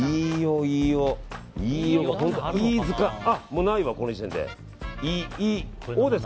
もうないわ、この時点で。